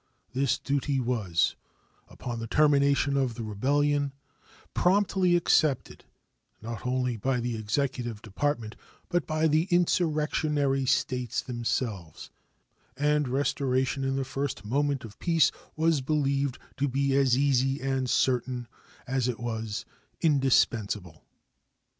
This duty was, upon the termination of the rebellion, promptly accepted not only by the executive department, but by the insurrectionary States themselves, and restoration in the first moment of peace was believed to be as easy and certain as it was indispensable.